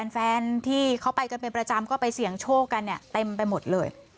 แฟนที่เขาไปกันเป็นประจำก็ไปเสี่ยงโชคกันเนี่ยเต็มไปหมดเลย